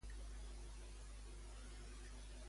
Quin diari espanyol ha participat en la investigació?